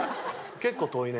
結構遠いね。